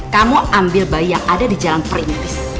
kamu ambil bayi yang ada di jalan perintis